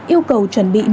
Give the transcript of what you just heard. yêu cầu chuẩn bị